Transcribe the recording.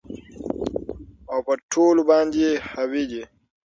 او په ټولو باندي حاوي دى